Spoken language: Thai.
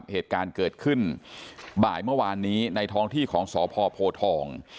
เหตุการณ์เกิดขึ้นบ่ายเมื่อวานนี้ในท้องที่ของสพโพทอง